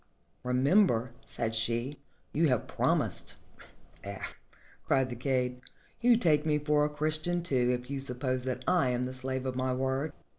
"Remember," said she, "you have prom ised." "Eh!" cried the kaid, "you must take me for a Christian, too, if you suppose that I am the slave of my word!"